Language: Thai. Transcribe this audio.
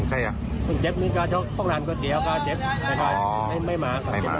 ใช่ค่ะไม่มาค่ะไม่มา